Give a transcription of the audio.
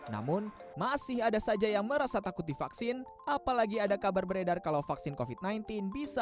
namun masih ada saja yang merasa takut di vaksin apalagi ada kabar beredar kalau vaksin ini bisa dihubungkan dengan vaksin lainnya